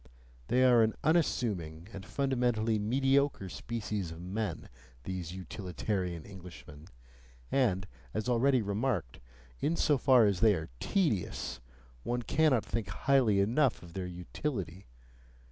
They are an unassuming and fundamentally mediocre species of men, these utilitarian Englishmen, and, as already remarked, in so far as they are tedious, one cannot think highly enough of their utility.